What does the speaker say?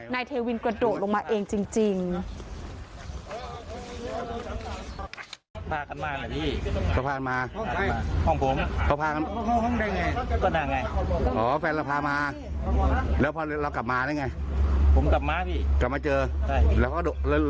นายเทวินกระโดดลงมาเองจริง